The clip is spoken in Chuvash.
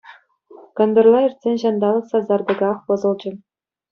Кӑнтӑрла иртсен ҫанталӑк сасартӑках пӑсӑлчӗ.